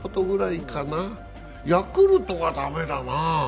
ヤクルトが駄目だなあ。